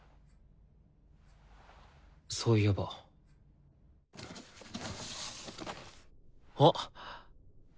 そういえばおっ。